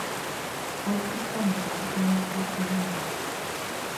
Oggyiddwa mu kuvuganya kw'okuyimba.